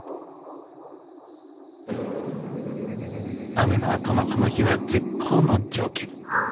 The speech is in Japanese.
雨のあとのこの日は絶好の条件。